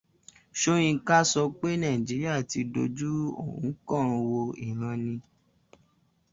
Sóyínká sọ pé Nàíjíríà ti dojúrú, òun kàn ń wòó níran ni